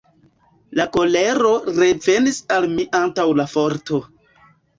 La kolero revenis al mi antaŭ la forto.